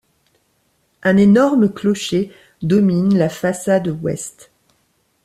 Un énorme clocher domine la façade ouest.